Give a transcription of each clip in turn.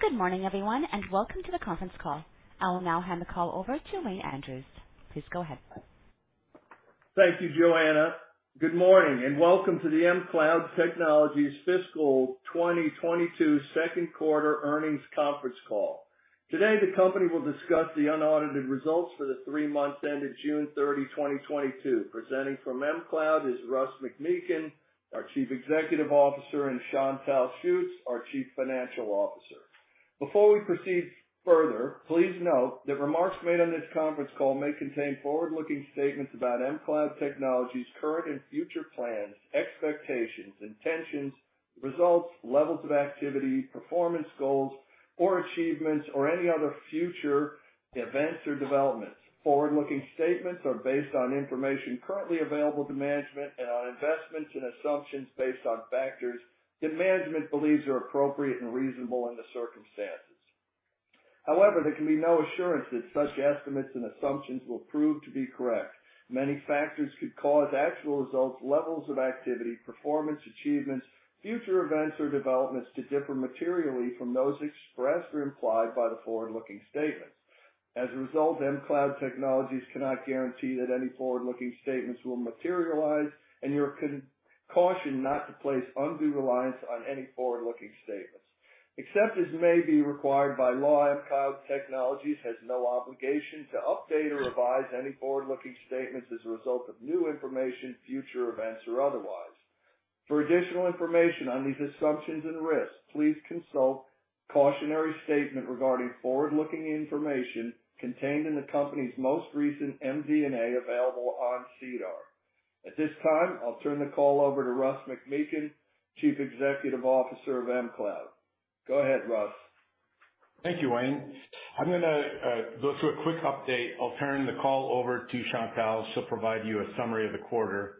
Good morning, everyone, and welcome to the conference call. I will now hand the call over to Wayne Andrews. Please go ahead. Thank you, Joanna. Good morning and welcome to the mCloud Technologies Fiscal 2022 second quarter earnings conference call. Today, the company will discuss the unaudited results for the three months ended June 30, 2022. Presenting from mCloud is Russ McMeekin, our Chief Executive Officer, and Chantal Schutz, our Chief Financial Officer. Before we proceed further, please note that remarks made on this conference call may contain forward-looking statements about mCloud Technologies' current and future plans, expectations, intentions, results, levels of activity, performance goals or achievements, or any other future events or developments. Forward-looking statements are based on information currently available to management and on investments and assumptions based on factors that management believes are appropriate and reasonable in the circumstances. However, there can be no assurance that such estimates and assumptions will prove to be correct. Many factors could cause actual results, levels of activity, performance, achievements, future events or developments to differ materially from those expressed or implied by the forward-looking statements. As a result, mCloud Technologies cannot guarantee that any forward-looking statements will materialize, and you're cautioned not to place undue reliance on any forward-looking statements. Except as may be required by law, mCloud Technologies has no obligation to update or revise any forward-looking statements as a result of new information, future events, or otherwise. For additional information on these assumptions and risks, please consult cautionary statement regarding forward-looking information contained in the company's most recent MD&A available on SEDAR. At this time, I'll turn the call over to Russ McMeekin, Chief Executive Officer of mCloud. Go ahead, Russ. Thank you, Wayne. I'm gonna go through a quick update. I'll turn the call over to Chantal. She'll provide you a summary of the quarter.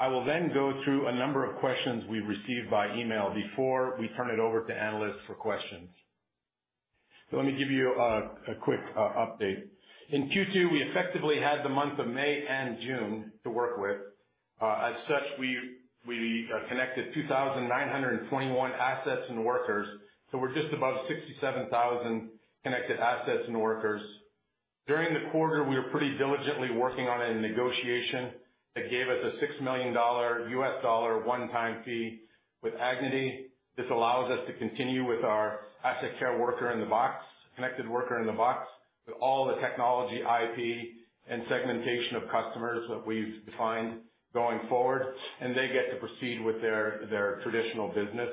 I will then go through a number of questions we've received by email before we turn it over to analysts for questions. Let me give you a quick update. In Q2, we effectively had the month of May and June to work with. As such, we connected 2,921 assets and workers, so we're just above 67,000 connected assets and workers. During the quarter, we were pretty diligently working on a negotiation that gave us a $6 million one-time fee with Agnity. This allows us to continue with our AssetCare Worker in the Box, Connected Worker in the Box, with all the technology IP and segmentation of customers that we've defined going forward, and they get to proceed with their traditional business.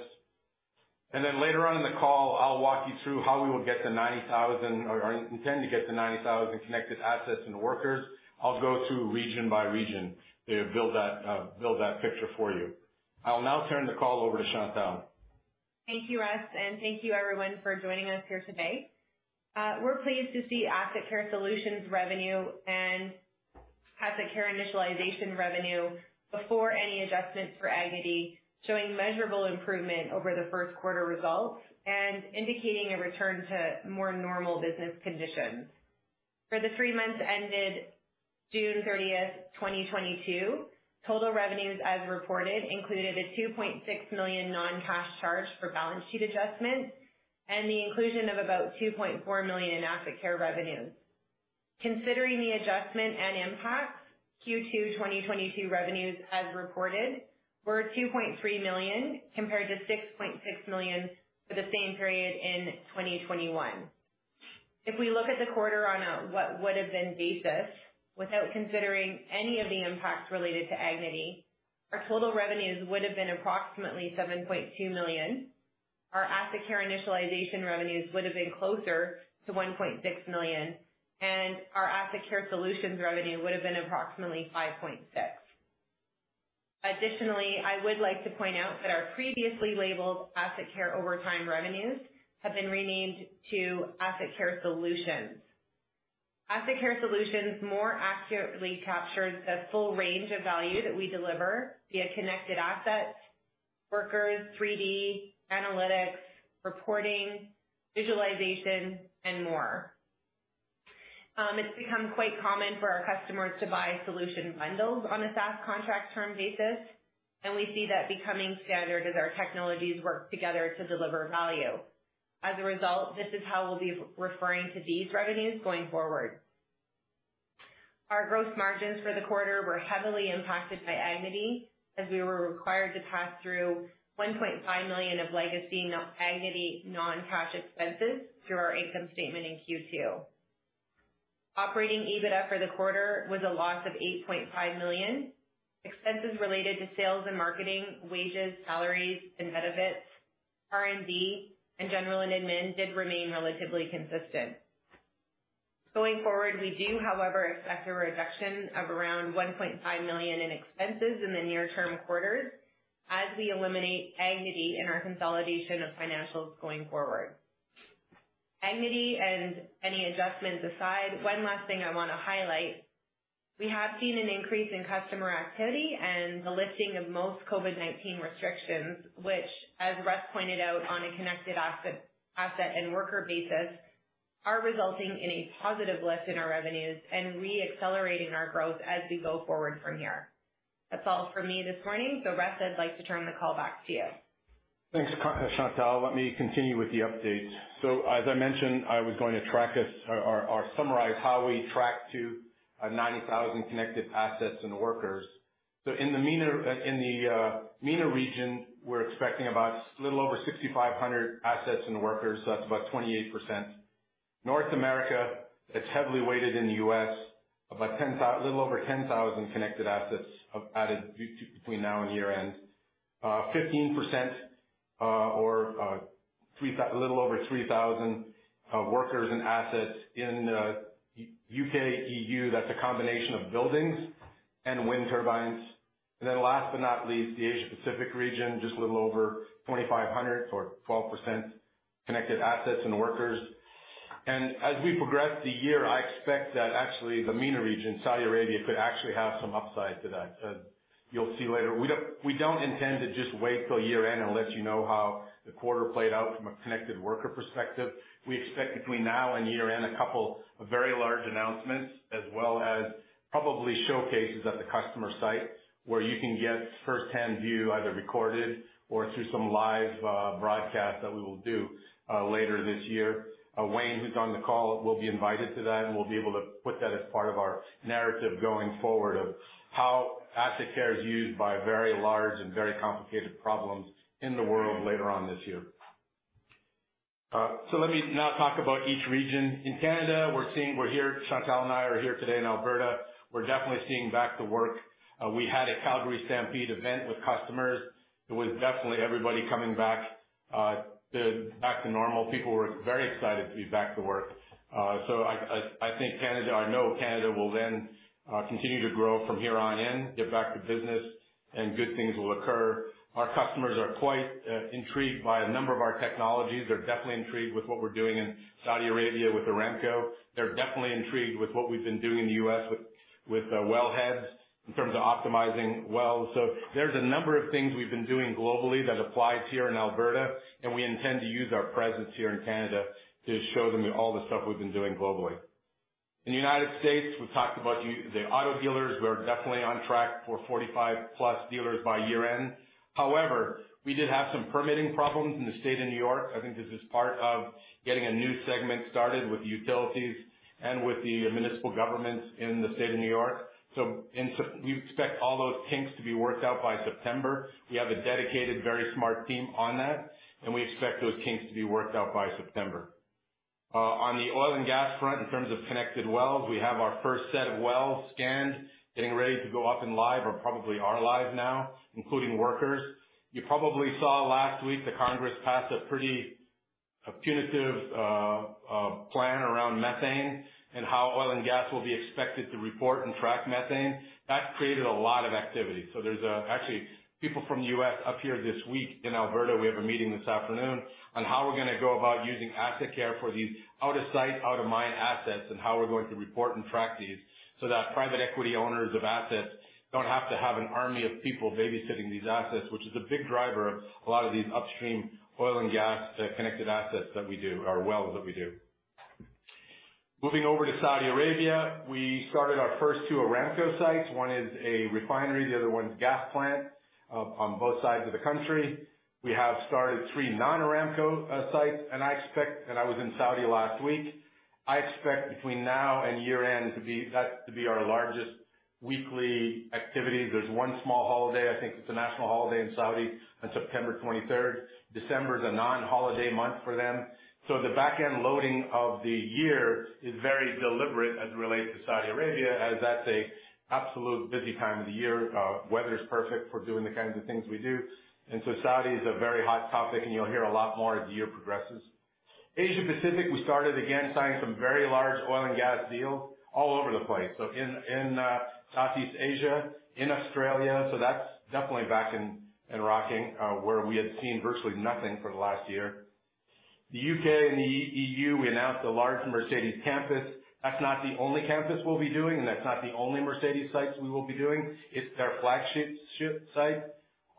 Then later on in the call, I'll walk you through how we will get to 90,000 or intend to get to 90,000 connected assets and workers. I'll go through region by region to build that picture for you. I'll now turn the call over to Chantal. Thank you, Russ, and thank you everyone for joining us here today. We're pleased to see AssetCare Solutions revenue and AssetCare Initialization revenue before any adjustments for Agnity, showing measurable improvement over the first quarter results and indicating a return to more normal business conditions. For the three months ended June 30th, 2022, total revenues as reported included a 2.6 million non-cash charge for balance sheet adjustments and the inclusion of about 2.4 million in AssetCare revenues. Considering the adjustment and impacts, Q2 2022 revenues as reported were 2.3 million compared to 6.6 million for the same period in 2021. If we look at the quarter on a what would have been basis, without considering any of the impacts related to Agnity, our total revenues would have been approximately 7.2 million. Our AssetCare Initialization revenues would have been closer to 1.6 million, and our AssetCare Solutions revenue would have been approximately 5.6 million. Additionally, I would like to point out that our previously labeled AssetCare overtime revenues have been renamed to AssetCare Solutions. AssetCare Solutions more accurately captures the full range of value that we deliver via connected assets, workers, 3D analytics, reporting, visualization, and more. It's become quite common for our customers to buy solution bundles on a SaaS contract term basis, and we see that becoming standard as our technologies work together to deliver value. As a result, this is how we'll be referring to these revenues going forward. Our gross margins for the quarter were heavily impacted by Agnity, as we were required to pass through 1.5 million of legacy Agnity non-cash expenses through our income statement in Q2. Operating EBITDA for the quarter was a loss of 8.5 million. Expenses related to sales and marketing, wages, salaries, and benefits, R&D, and general and admin did remain relatively consistent. Going forward, we do, however, expect a reduction of around 1.5 million in expenses in the near-term quarters as we eliminate Agnity in our consolidation of financials going forward. Agnity and any adjustments aside, one last thing I wanna highlight, we have seen an increase in customer activity and the lifting of most COVID-19 restrictions, which, as Russ pointed out on a connected asset and worker basis, are resulting in a positive lift in our revenues and re-accelerating our growth as we go forward from here. That's all for me this morning. Russ, I'd like to turn the call back to you. Thanks, Chantal. Let me continue with the updates. As I mentioned, I was going to summarize how we track to 90,000 connected assets and workers. In the MENA region, we're expecting about a little over 6,500 assets and workers, so that's about 28%. North America, it's heavily weighted in the U.S. of like little over 10,000 connected assets added between now and year-end. 15%, or little over 3,000 workers and assets in U.K./EU. That's a combination of buildings and wind turbines. Last but not least, the Asia Pacific region, just a little over 2,500 or 12% connected assets and workers. As we progress the year, I expect that actually the MENA region, Saudi Arabia, could actually have some upside to that, as you'll see later. We don't intend to just wait till year-end and let you know how the quarter played out from a Connected Worker perspective. We expect between now and year-end a couple of very large announcements as well as probably showcases at the customer site where you can get firsthand view, either recorded or through some live broadcast that we will do later this year. Wayne, who's on the call, will be invited to that, and we'll be able to put that as part of our narrative going forward of how AssetCare is used by very large and very complicated problems in the world later on this year. Let me now talk about each region. In Canada, we're seeing... We're here, Chantal and I are here today in Alberta. We're definitely seeing back to work. We had a Calgary Stampede event with customers. It was definitely everybody coming back to normal. People were very excited to be back to work. I think Canada, I know Canada will then continue to grow from here on in, get back to business, and good things will occur. Our customers are quite intrigued by a number of our technologies. They're definitely intrigued with what we're doing in Saudi Arabia with Aramco. They're definitely intrigued with what we've been doing in the U.S. with wellheads in terms of optimizing wells. There's a number of things we've been doing globally that applies here in Alberta, and we intend to use our presence here in Canada to show them all the stuff we've been doing globally. In the United States, we've talked about the auto dealers. We're definitely on track for 45+ dealers by year-end. However, we did have some permitting problems in the State of New York. I think this is part of getting a new segment started with utilities and with the municipal governments in the State of New York. We expect all those kinks to be worked out by September. We have a dedicated, very smart team on that, and we expect those kinks to be worked out by September. On the oil and gas front, in terms of connected wells, we have our first set of wells scanned, getting ready to go up and live or probably are live now, including workers. You probably saw last week, the Congress passed a punitive plan around methane and how oil and gas will be expected to report and track methane. That created a lot of activity. There's actually people from the U.S. up here this week in Alberta. We have a meeting this afternoon on how we're gonna go about using AssetCare for these out of sight, out of mind assets and how we're going to report and track these so that private equity owners of assets don't have to have an army of people babysitting these assets, which is a big driver of a lot of these upstream oil and gas connected assets that we do, or wells that we do. Moving over to Saudi Arabia, we started our first two Aramco sites. One is a refinery, the other one's gas plant on both sides of the country. We have started three non-Aramco sites, and I expect between now and year-end that to be our largest weekly activity. I was in Saudi last week. There's one small holiday, I think it's a national holiday in Saudi on September 23rd. December is a non-holiday month for them. The back-end loading of the year is very deliberate as it relates to Saudi Arabia, as that's an absolute busy time of the year. Weather's perfect for doing the kinds of things we do. Saudi is a very hot topic, and you'll hear a lot more as the year progresses. Asia Pacific, we started again signing some very large oil and gas deals all over the place. In Southeast Asia, in Australia, that's definitely back and rocking, where we had seen virtually nothing for the last year. The U.K. and the EU, we announced a large Mercedes campus. That's not the only campus we'll be doing, and that's not the only Mercedes sites we will be doing. It's their flagship site.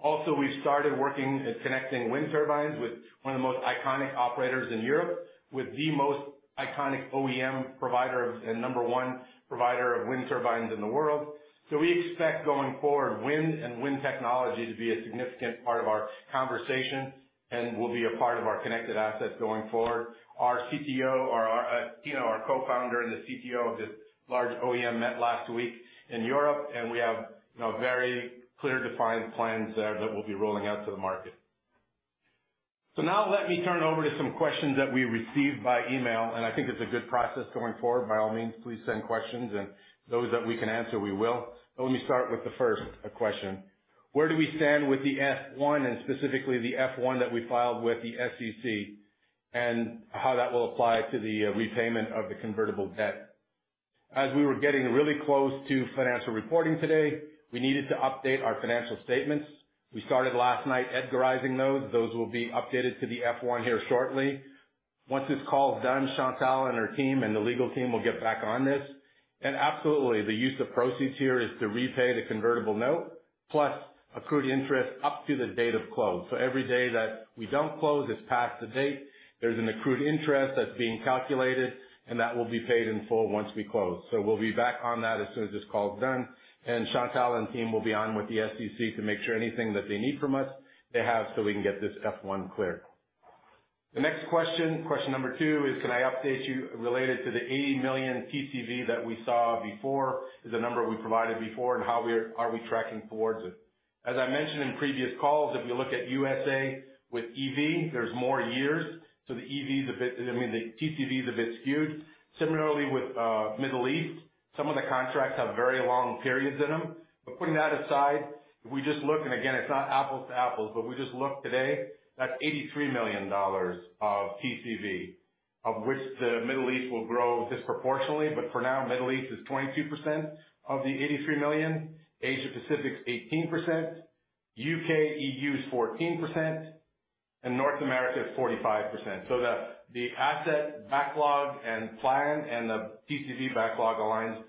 Also, we started working at connecting wind turbines with one of the most iconic operators in Europe, with the most iconic OEM provider of, and number one provider of wind turbines in the world. We expect going forward, wind and wind technology to be a significant part of our conversation and will be a part of our Connected Assets going forward. Our CTO, or our, you know, our co-founder and the CTO of this large OEM met last week in Europe, and we have, you know, very clear, defined plans there that we'll be rolling out to the market. Now let me turn it over to some questions that we received by email, and I think it's a good process going forward. By all means, please send questions and those that we can answer, we will. Let me start with the first question: Where do we stand with the F-1, and specifically the F-1 that we filed with the SEC, and how that will apply to the repayment of the convertible debt? As we were getting really close to financial reporting today, we needed to update our financial statements. We started last night EDGARizing those. Those will be updated to the F-1 here shortly. Once this call is done, Chantal and her team and the legal team will get back on this. Absolutely, the use of proceeds here is to repay the convertible note plus accrued interest up to the date of close. Every day that we don't close, it's past the date. There's an accrued interest that's being calculated, and that will be paid in full once we close. We'll be back on that as soon as this call is done, and Chantal and team will be on with the SEC to make sure anything that they need from us, they have, so we can get this F-1 cleared. The next question number two is can I update you related to the 80 million TCV that we saw before, the number we provided before, and how we are we tracking towards it? As I mentioned in previous calls, if you look at U.S. with EV, there's more years, so the EV is a bit, I mean, the TCV is a bit skewed. Similarly, with Middle East, some of the contracts have very long periods in them. Putting that aside, if we just look and again, it's not apples to apples, but we just look today, that's $83 million of TCV, of which the Middle East will grow disproportionately. For now, Middle East is 22% of the 83 million. Asia Pacific's 18%. U.K., EU is 14%, and North America is 45%. The asset backlog and plan and the TCV backlog aligns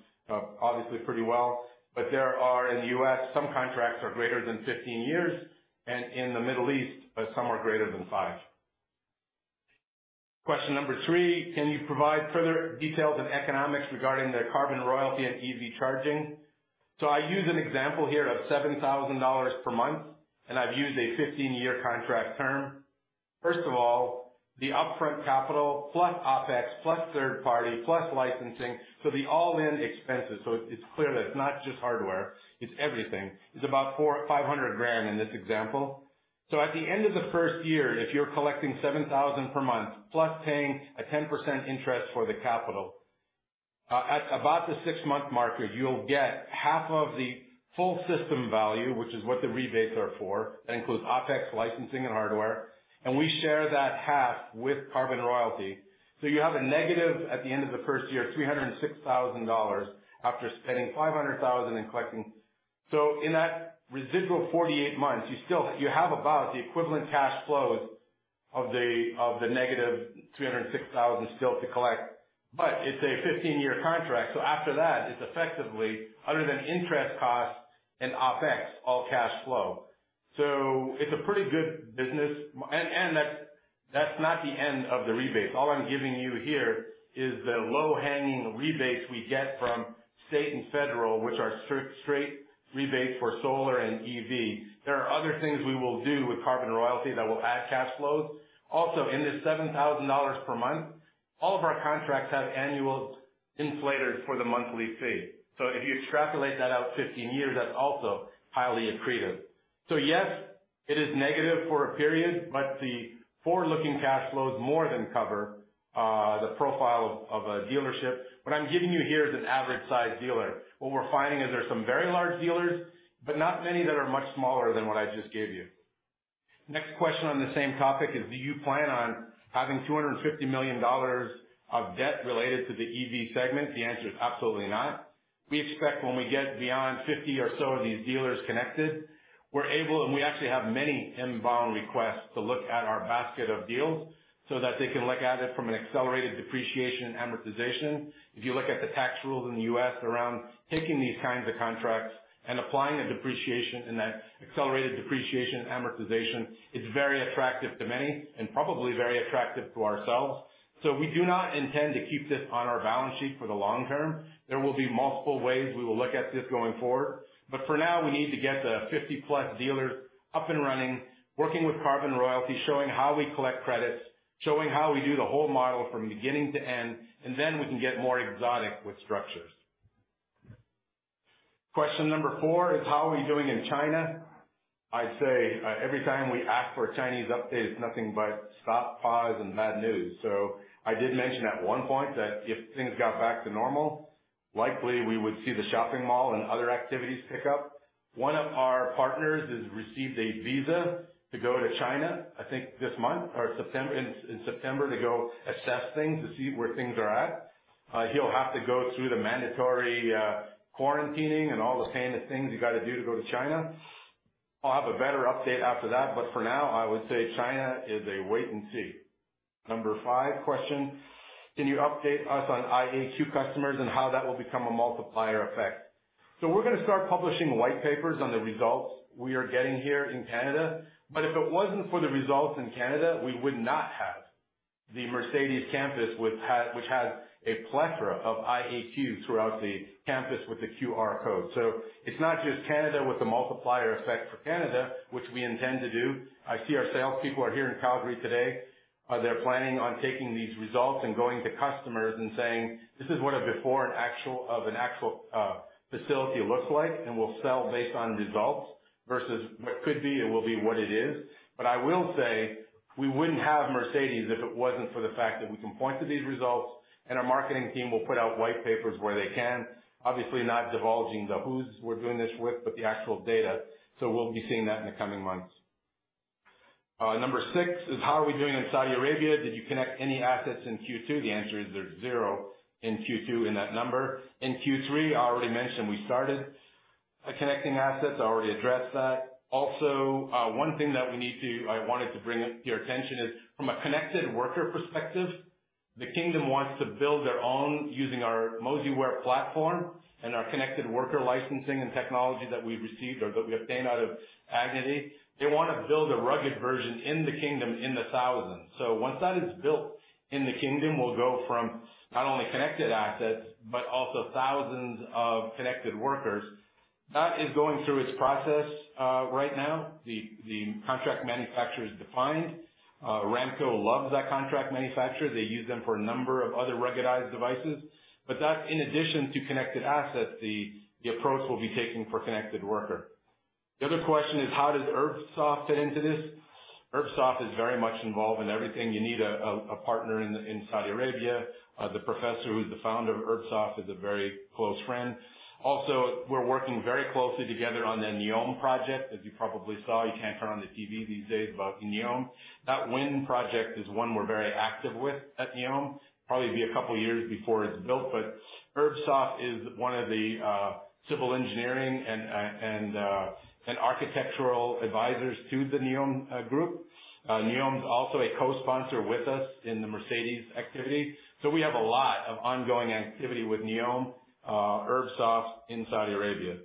obviously pretty well. There are in the U.S., some contracts are greater than 15 years, and in the Middle East, some are greater than five. Question number three: Can you provide further details and economics regarding the carbon royalty and EV charging? I use an example here of $7,000 per month, and I've used a 15-year contract term. First of all, the upfront capital, plus OpEx, plus third party, plus licensing, so the all-in expenses, so it's clear that it's not just hardware, it's everything, is about $400,000-$500,000 in this example. At the end of the first year, if you're collecting $7,000 per month plus paying a 10% interest for the capital, at about the six-month marker, you'll get half of the full system value, which is what the rebates are for. That includes OpEx, licensing, and hardware. We share that half with Carbon Royalty Corp. You have a negative at the end of the first year, $306,000 after spending $500,000 and collecting. In that residual 48 months, you still have about the equivalent cash flows of the -$306,000 still to collect. It's a 15-year contract, so after that, it's effectively, other than interest costs and OpEx, all cash flow. It's a pretty good business. That's not the end of the rebates. All I'm giving you here is the low-hanging rebates we get from state and federal, which are straight rebates for solar and EV. There are other things we will do with Carbon Royalty that will add cash flows. Also, in this $7,000 per month, all of our contracts have annual inflators for the monthly fee. If you extrapolate that out 15 years, that's also highly accretive. Yes, it is negative for a period, but the forward-looking cash flows more than cover the profile of a dealership. What I'm giving you here is an average size dealer. What we're finding is there are some very large dealers, but not many that are much smaller than what I just gave you. Next question on the same topic is: Do you plan on having $250 million of debt related to the EV segment? The answer is absolutely not. We expect when we get beyond 50 or so of these dealers connected, we're able, and we actually have many inbound requests to look at our basket of deals so that they can look at it from an accelerated depreciation and amortization. If you look at the tax rules in the U.S. around taking these kinds of contracts and applying a depreciation in that accelerated depreciation and amortization, it's very attractive to many and probably very attractive to ourselves. We do not intend to keep this on our balance sheet for the long term. There will be multiple ways we will look at this going forward, but for now we need to get the 50+ dealers up and running, working with Carbon Royalty, showing how we collect credits, showing how we do the whole model from beginning to end, and then we can get more exotic with structures. Question number four is: How are we doing in China? I'd say, every time we ask for a Chinese update, it's nothing but stop, pause, and bad news. I did mention at one point that if things got back to normal, likely we would see the shopping mall and other activities pick up. One of our partners has received a visa to go to China, I think in September to go assess things, to see where things are at. He'll have to go through the mandatory quarantining and all the pain of things you gotta do to go to China. I'll have a better update after that, but for now, I would say China is a wait and see. Number five question: Can you update us on IAQ customers and how that will become a multiplier effect? We're gonna start publishing white papers on the results we are getting here in Canada. If it wasn't for the results in Canada, we would not have the Mercedes campus which has a plethora of IAQ throughout the campus with the QR code. It's not just Canada with the multiplier effect for Canada, which we intend to do. I see our salespeople are here in Calgary today. They're planning on taking these results and going to customers and saying, "This is what a before and after of an actual facility looks like, and we'll sell based on results versus what could be and will be what it is." I will say we wouldn't have Mercedes if it wasn't for the fact that we can point to these results, and our marketing team will put out white papers where they can, obviously not divulging the who's we're doing this with, but the actual data. We'll be seeing that in the coming months. Number six is, how are we doing in Saudi Arabia? Did you connect any assets in Q2? The answer is there's 0 in Q2 in that number. In Q3, I already mentioned we started connecting assets. I already addressed that. One thing that I wanted to bring up to your attention is from a connected worker perspective, the kingdom wants to build their own using our Moziware platform and our connected worker licensing and technology that we've received or that we obtained out of Agnity. They wanna build a rugged version in the kingdom in the thousands. Once that is built in the kingdom, we'll go from not only connected assets, but also thousands of connected workers. That is going through its process right now. The contract manufacturer is defined. Aramco loves that contract manufacturer. They use them for a number of other ruggedized devices, but that's in addition to Connected Assets, the approach we'll be taking for Connected Worker. The other question is how does URBSOFT fit into this? URBSOFT is very much involved in everything. You need a partner in Saudi Arabia. The professor who's the founder of URBSOFT is a very close friend. We're working very closely together on the NEOM project. As you probably saw, you can't turn on the TV these days about NEOM. That wind project is one we're very active with at NEOM. Probably be a couple years before it's built, but URBSOFT is one of the civil engineering and architectural advisors to the NEOM group. NEOM's also a co-sponsor with us in the Mercedes activity. We have a lot of ongoing activity with NEOM, URBSOFT in Saudi Arabia.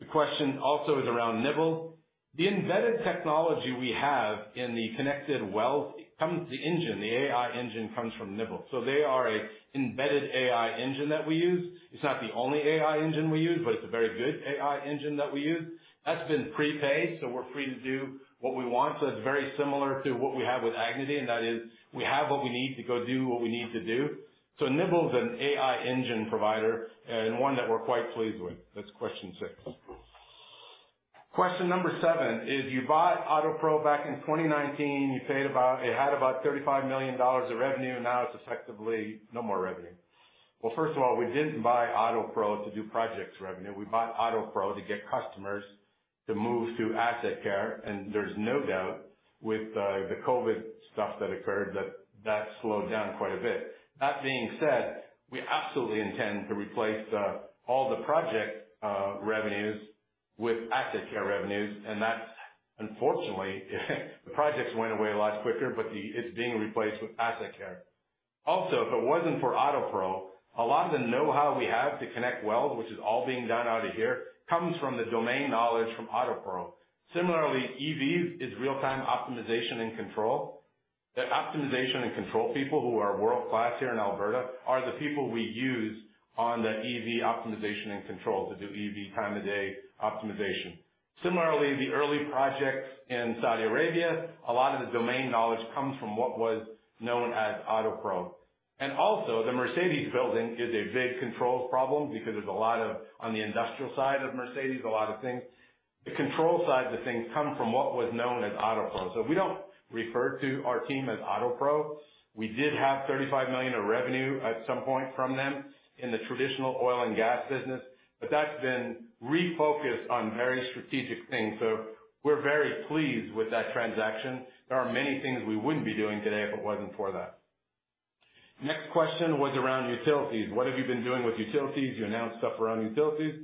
The question also is around nybl. The embedded technology we have in the Connected Worker, the engine, the AI engine comes from nybl. They are an embedded AI engine that we use. It's not the only AI engine we use, but it's a very good AI engine that we use. That's been prepaid, so we're free to do what we want. It's very similar to what we have with Agnity, and that is we have what we need to go do what we need to do. nybl's an AI engine provider and one that we're quite pleased with. That's question six. Question number seven is you bought Autopro back in 2019. You paid about. It had about 35 million dollars of revenue. Now it's effectively no more revenue. Well, first of all, we didn't buy Autopro to do projects revenue. We bought Autopro to get customers to move to AssetCare, and there's no doubt with the COVID-19 stuff that occurred that slowed down quite a bit. That being said, we absolutely intend to replace all the project revenues with AssetCare revenues, and that's unfortunately, the projects went away a lot quicker, but it's being replaced with AssetCare. Also, if it wasn't for Autopro, a lot of the know-how we have to connect wells, which is all being done out of here, comes from the domain knowledge from Autopro. Similarly, EVs is real-time optimization and control. The optimization and control people who are world-class here in Alberta are the people we use on the EV optimization and control to do EV time of day optimization. Similarly, the early projects in Saudi Arabia, a lot of the domain knowledge comes from what was known as Autopro. Also the Mercedes building is a big controls problem because there's a lot of, on the industrial side of Mercedes, a lot of things. The control side of things come from what was known as Autopro. We don't refer to our team as Autopro. We did have 35 million of revenue at some point from them in the traditional oil and gas business, but that's been refocused on very strategic things. We're very pleased with that transaction. There are many things we wouldn't be doing today if it wasn't for that. Next question was around utilities. What have you been doing with utilities? You announced stuff around utilities.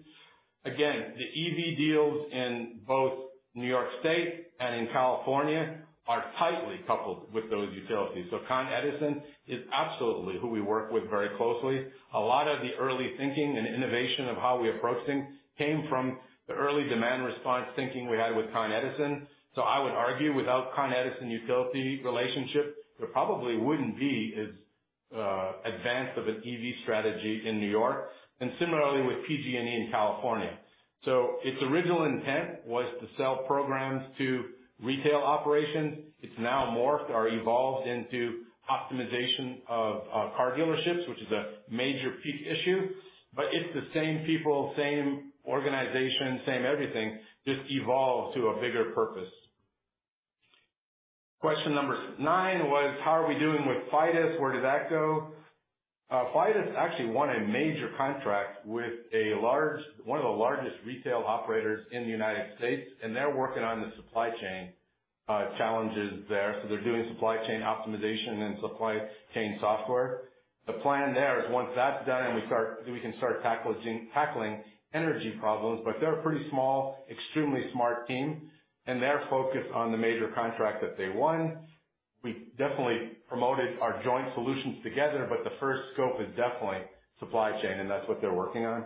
Again, the EV deals in both New York State and in California are tightly coupled with those utilities. Con Edison is absolutely who we work with very closely. A lot of the early thinking and innovation of how we approach things came from the early demand response thinking we had with Con Edison. I would argue without Con Edison utility relationship, there probably wouldn't be as advanced of an EV strategy in New York and similarly with PG&E in California. Its original intent was to sell programs to retail operations. It's now morphed or evolved into optimization of car dealerships, which is a major peak issue, but it's the same people, same organization, same everything, just evolved to a bigger purpose. Question number nine was how are we doing with Fidus? Where did that go? Fidus actually won a major contract with a large one of the largest retail operators in the U.S., and they're working on the supply chain challenges there. They're doing supply chain optimization and supply chain software. The plan there is once that's done and we start, we can start tackling energy problems. They're a pretty small, extremely smart team, and they're focused on the major contract that they won. We've definitely promoted our joint solutions together, but the first scope is definitely supply chain, and that's what they're working on.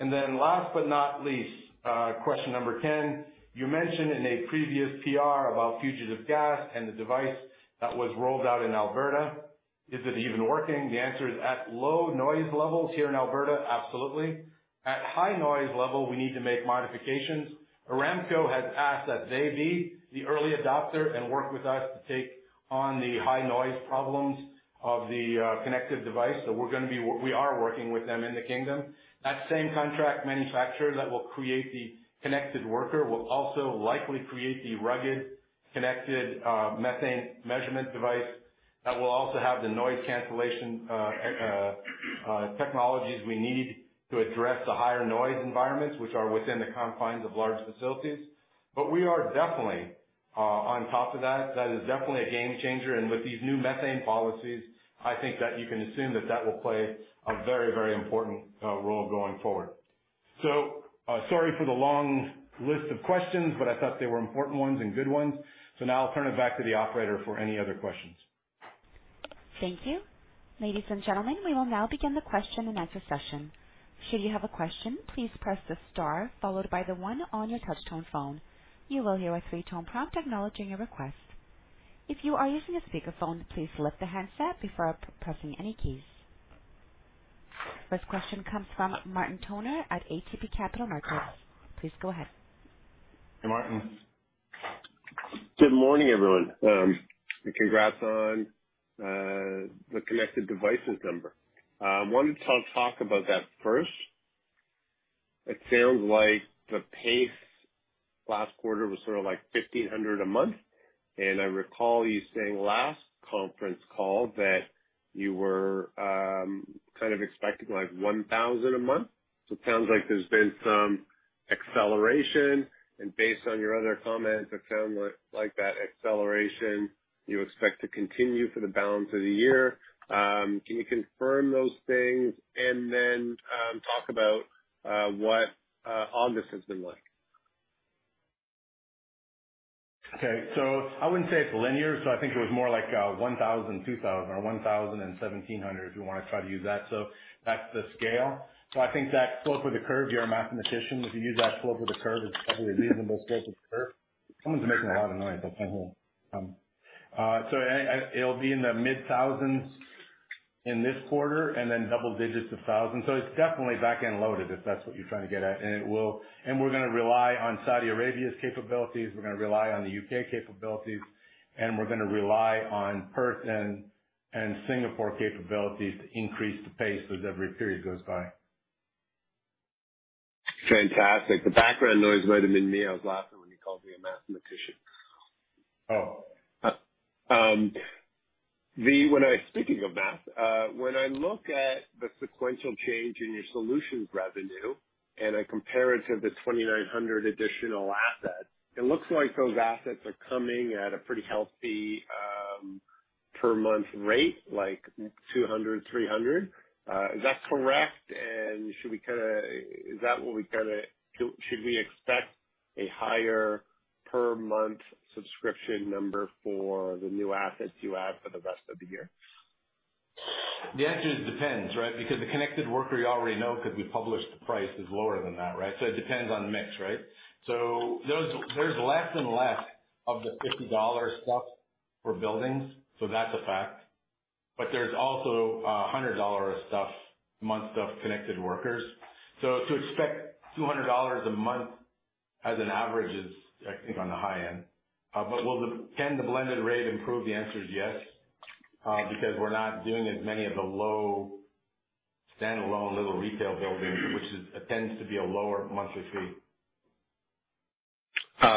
Last but not least, question number 10. You mentioned in a previous PR about fugitive gas and the device that was rolled out in Alberta. Is it even working? The answer is at low noise levels here in Alberta, absolutely. At high noise level, we need to make modifications. Aramco has asked that they be the early adopter and work with us to take on the high noise problems of the connected device. We are working with them in the kingdom. That same contract manufacturer that will create the Connected Worker will also likely create the rugged, connected, methane measurement device that will also have the noise cancellation technologies we need to address the higher noise environments which are within the confines of large facilities. We are definitely on top of that. That is definitely a game changer. With these new methane policies, I think that you can assume that that will play a very, very important role going forward. Sorry for the long list of questions, but I thought they were important ones and good ones. Now I'll turn it back to the operator for any other questions. Thank you. Ladies and gentlemen, we will now begin the question-and-answer session. Should you have a question, please press the star followed by the one on your touchtone phone. You will hear a three-tone prompt acknowledging your request. If you are using a speakerphone, please lift the handset before pressing any keys. First question comes from Martin Toner at ATB Capital Markets. Please go ahead. Hey, Martin. Good morning, everyone. Congrats on the connected devices number. Wanted to talk about that first. It sounds like the pace last quarter was sort of like 1,500 a month, and I recall you saying last conference call that you were kind of expecting like 1,000 a month. It sounds like there's been some acceleration, and based on your other comments, it sounds like that acceleration you expect to continue for the balance of the year. Can you confirm those things and then talk about what August has been like? Okay, I wouldn't say it's linear. I think it was more like 1,000, 2,000 or 1,000 and 1,700 if you wanna try to use that. That's the scale. I think that slope of the curve, you're a mathematician, if you use that slope of the curve, it's probably a reasonable slope of the curve. Someone's making a lot of noise, but I won't. I think it'll be in the mid thousands in this quarter and then double digits to thousands. It's definitely back-end loaded, if that's what you're trying to get at. It will, and we're gonna rely on Saudi Arabia's capabilities, we're gonna rely on the U.K. capabilities, and we're gonna rely on Perth and Singapore capabilities to increase the pace as every period goes by. Fantastic. The background noise might have been me. I was laughing when you called me a mathematician. Oh. Speaking of math, when I look at the sequential change in your solutions revenue and I compare it to the 2,900 additional assets, it looks like those assets are coming at a pretty healthy per month rate, like 200, 300. Is that correct? Should we expect a higher per month subscription number for the new assets you add for the rest of the year? The answer is depends, right? Because the Connected Worker you already know, because we published the price, is lower than that, right? It depends on mix, right? There's less and less of the $50 stuff for buildings, so that's a fact. There's also $100 a month stuff, Connected Workers. To expect $200 a month as an average is, I think, on the high end. Can the blended rate improve? The answer is yes, because we're not doing as many of the low standalone little retail buildings, which tends to be a lower monthly fee.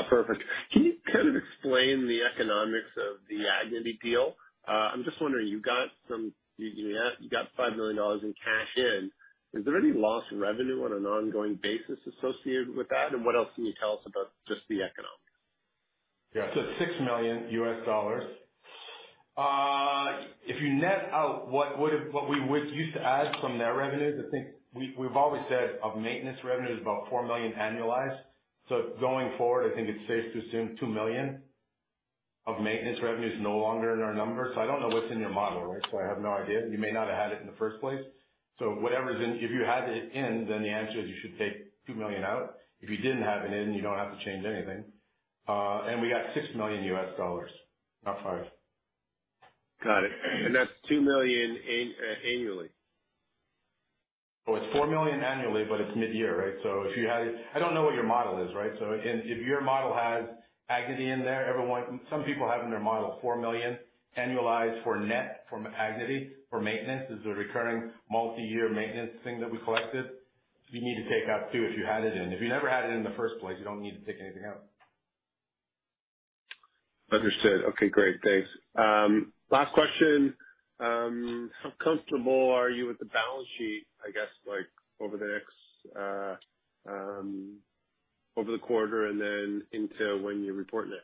Perfect. Can you kind of explain the economics of the Agnity deal? I'm just wondering, you got $5 million in cash in. Is there any loss in revenue on an ongoing basis associated with that? What else can you tell us about just the economics? Yeah. $6 million. If you net out what we would use to add from their revenues, I think we've always said of maintenance revenue is about $4 million annualized. Going forward, I think it's safe to assume $2 million of maintenance revenue is no longer in our numbers. I don't know what's in your model, right? I have no idea. You may not have had it in the first place. Whatever's in. If you had it in, then the answer is you should take $2 million out. If you didn't have it in, you don't have to change anything. And we got $6 million, not $5 mllion. Got it. That's 2 million annually? Well, it's 4 million annually, but it's mid-year, right? If you had it, I don't know what your model is, right? Again, if your model has Agnity in there, everyone. Some people have in their model 4 million annualized for net from Agnity for maintenance as the recurring multi-year maintenance thing that we collected. You need to take out CAD 2 million if you had it in. If you never had it in the first place, you don't need to take anything out. Understood. Okay, great. Thanks. Last question. How comfortable are you with the balance sheet, I guess, like over the quarter and then into when you report next?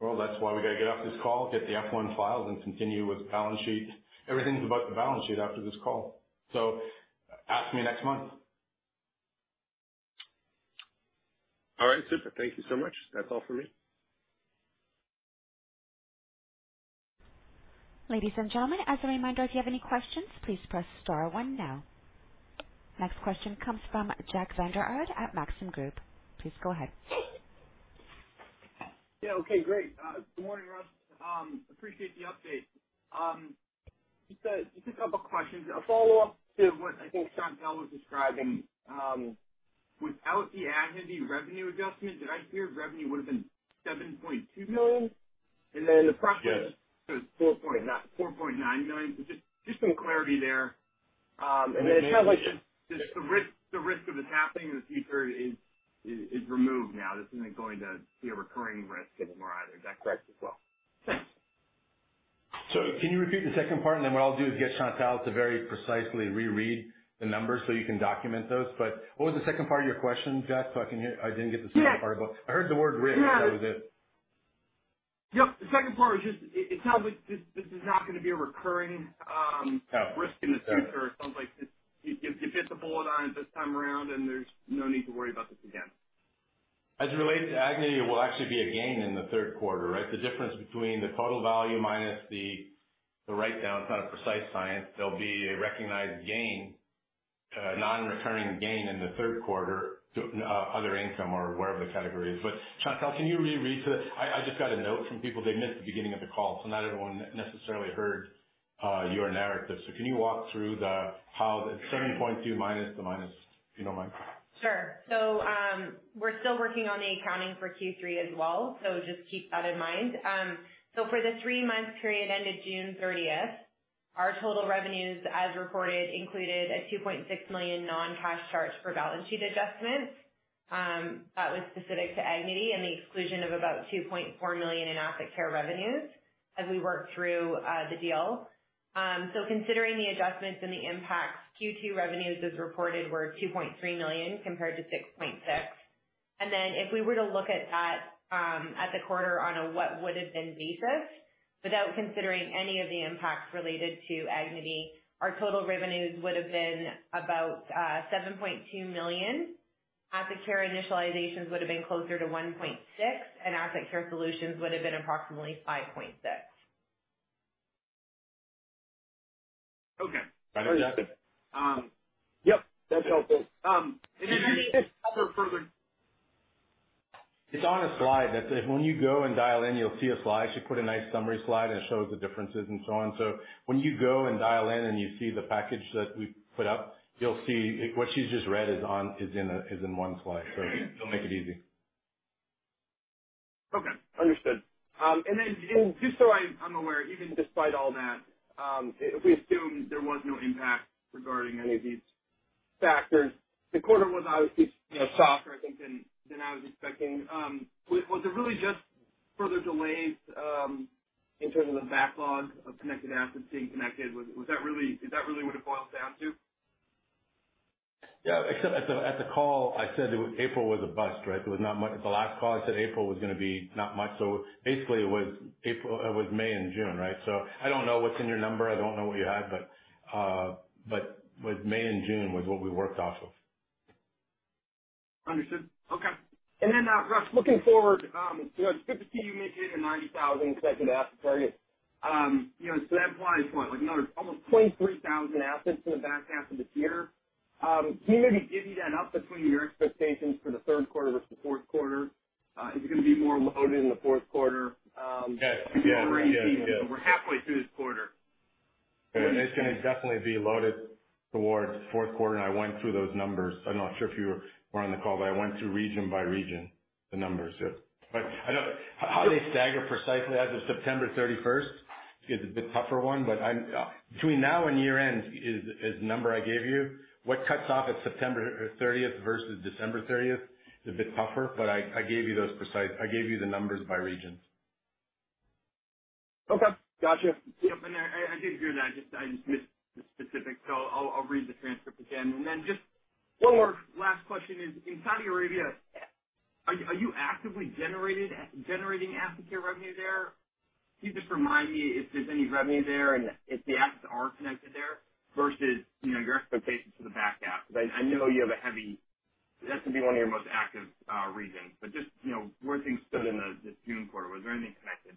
Well, that's why we gotta get off this call, get the F-1 files, and continue with the balance sheet. Everything's about the balance sheet after this call. Ask me next month. All right, super. Thank you so much. That's all for me. Ladies and gentlemen, as a reminder, if you have any questions, please press star one now. Next question comes from Jack Vander Aarde at Maxim Group. Please go ahead. Yeah. Okay, great. Good morning, Russ. Appreciate the update. Just a couple of questions. A follow-up to what I think Chantal was describing. Without the Agnity revenue adjustment, did I hear revenue would have been 7.2 million? Yes. The profit was 4.9 million. Just some clarity there. It sounds like the risk of this happening in the future is removed now. This isn't going to be a recurring risk anymore either. Is that correct as well? Thanks. Can you repeat the second part, and then what I'll do is get Chantal to very precisely reread the numbers so you can document those. What was the second part of your question, Jack, so I can hear? I didn't get the second part. Yeah. I heard the word risk. That was it. Yep. The second part was just it sounds like this is not gonna be a recurring. No. risk in the future. It sounds like this, you bit the bullet on it this time around, and there's no need to worry about this again. As it relates to Agnity, it will actually be a gain in the third quarter, right? The difference between the total value minus the write-down. It's not a precise science. There'll be a recognized gain. Non-recurring gain in the third quarter to other income or wherever the category is. Chantal, can you run through this? I just got a note from people. They missed the beginning of the call, so not everyone necessarily heard your narrative. Can you walk through how the 7.2_ the minus, if you don't mind. Sure. We're still working on the accounting for Q3 as well, so just keep that in mind. For the three-month period ended June 30th, our total revenues, as reported, included a 2.6 million non-cash charge for balance sheet adjustments that was specific to Agnity and the exclusion of about 2.4 million in AssetCare revenues as we work through the deal. Considering the adjustments and the impacts, Q2 revenues, as reported, were 2.3 million compared to 6.6 million. If we were to look at the quarter on a what would have been basis, without considering any of the impacts related to Agnity, our total revenues would have been about 7.2 million. AssetCare Initializations would have been closer to 1.6 million, and AssetCare Solutions would have been approximately 5.6 million. Okay. Understood. Um... Yep, that's helpful. Maybe just cover further. It's on a slide. That's it. When you go and dial in, you'll see a slide. She put a nice summary slide, and it shows the differences and so on. When you go and dial in and you see the package that we've put up, you'll see, like, what she just read is in one slide. It'll make it easy. Okay. Understood. Just so I'm aware, even despite all that, if we assume there was no impact regarding any of these factors, the quarter was obviously, you know, softer, I think, than I was expecting. Was it really just further delays in terms of the backlog of Connected Assets being connected? Is that really what it boils down to? Yeah, except at the call, I said April was a bust, right? It was not much. At the last call, I said April was gonna be not much. Basically, it was April. It was May and June, right? I don't know what's in your number. I don't know what you have, but May and June was what we worked off of. Understood. Okay. Russ, looking forward, you know, it's good to see you mention the 90,000 Connected Assets target. You know, so that implies what, like another almost 23,000 assets in the back half of the year. Can you maybe divvy that up between your expectations for the third quarter versus fourth quarter? Is it gonna be more loaded in the fourth quarter? Yeah. Yeah. Yeah. Yeah. As we get into the rainy season? We're halfway through this quarter. It's gonna definitely be loaded towards the fourth quarter, and I went through those numbers. I'm not sure if you were on the call, but I went through region by region the numbers. But I know how they stagger precisely as of September 31st is a bit tougher one, but I'm. Between now and year-end is the number I gave you. What cuts off at September 30th versus December 30th is a bit tougher, but I gave you those precise, I gave you the numbers by regions. Okay. Gotcha. Yep, and I did hear that. I missed the specifics. So I'll read the transcript again. Then just one more last question is, in Saudi Arabia, are you actively generating AssetCare revenue there? Can you just remind me if there's any revenue there and if the assets are connected there versus, you know, your expectations for the back half? 'Cause I know that's gonna be one of your most active regions. But just, you know, where things stood in the June quarter. Was there anything connected?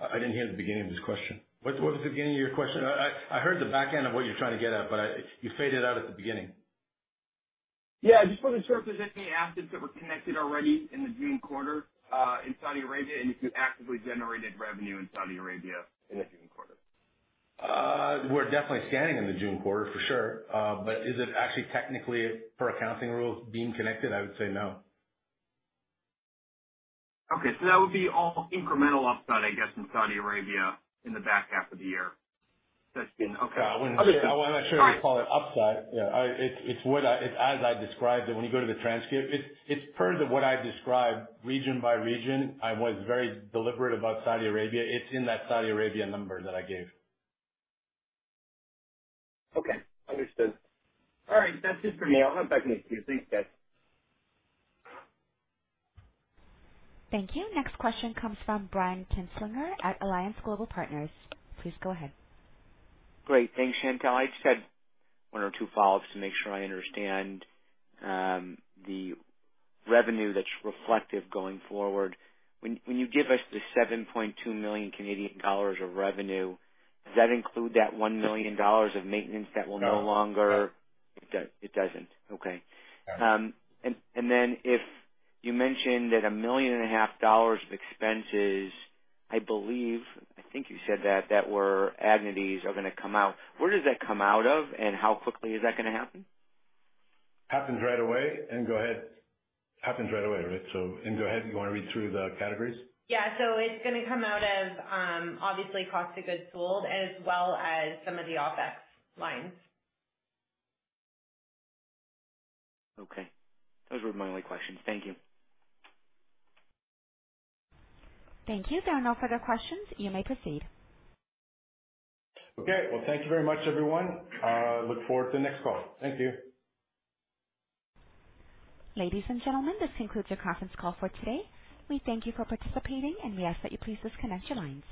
I didn't hear the beginning of this question. What was the beginning of your question? I heard the back end of what you're trying to get at, but you faded out at the beginning. Yeah, just wanted to. Was there any assets that were connected already in the June quarter in Saudi Arabia? If you actively generated revenue in Saudi Arabia in the June quarter? We're definitely scanning in the June quarter, for sure. Is it actually technically for accounting rules being connected? I would say no. Okay. That would be all incremental upside, I guess, in Saudi Arabia in the back half of the year. Okay. Understood. Yeah, I wouldn't say that. I'm not sure I'd call it upside. Yeah, it's as I described it, when you go to the transcript, it's per what I described region by region. I was very deliberate about Saudi Arabia. It's in that Saudi Arabia number that I gave. Okay. Understood. All right. That's it for me. I'll hop back in the queue. Thanks, guys. Thank you. Next question comes from Brian Kinstlinger at Alliance Global Partners. Please go ahead. Great. Thanks, Chantal. I just had one or two follow-ups to make sure I understand the revenue that's reflective going forward. When you give us the 7.2 million Canadian dollars of revenue, does that include that $1 million of maintenance that will no longer- No. It does, it doesn't. Okay. Yeah. If you mentioned that $1.5 million of expenses, I believe, I think you said that were Agnity's are gonna come out. Where does that come out of, and how quickly is that gonna happen? Happens right away. Go ahead. Happens right away, right? Go ahead, you wanna read through the categories? Yeah. It's gonna come out as, obviously, cost of goods sold, as well as some of the OpEx lines. Okay. Those were my only questions. Thank you. Thank you. There are no further questions. You may proceed. Okay. Well, thank you very much, everyone. Look forward to the next call. Thank you. Ladies and gentlemen, this concludes your conference call for today. We thank you for participating, and we ask that you please disconnect your lines.